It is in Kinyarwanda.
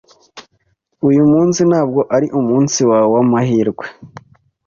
Uyu munsi ntabwo ari umunsi wawe wamahirwe.